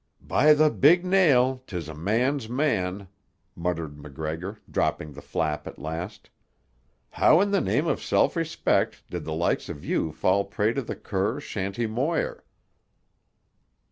"By the Big Nail, 'tis a man's man!" muttered MacGregor, dropping the flap at last. "How in the name of self respect did the likes of you fall prey to the cur, Shanty Moir?"